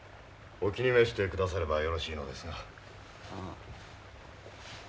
お気に召してくださればよろしいのですが。